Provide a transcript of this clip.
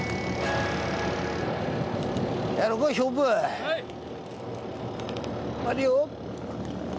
はい。